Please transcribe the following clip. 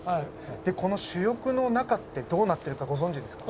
でこの主翼の中ってどうなってるかご存じですか？